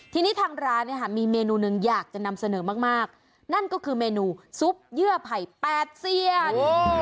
ทีนี้ทางร้านเนี่ยค่ะมีเมนูหนึ่งอยากจะนำเสนอมากนั่นก็คือเมนูซุปเยื่อไผ่แปดเซียน